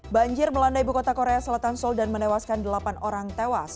banjir melanda ibu kota korea selatan seoul dan menewaskan delapan orang tewas